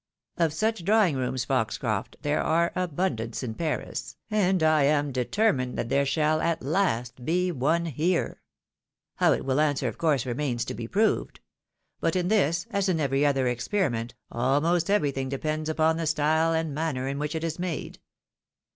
" Of such drawing Tooms, Foxcroft, thef? are abundance in Paris, and I am determined that there shall at last be one here. How it will answer of course remains to be proved ; but in this, as in every other experiment, almost everything depends upon the style and manner in which it is made.